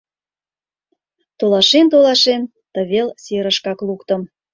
Толашен-толашен, тывел серышкак луктым.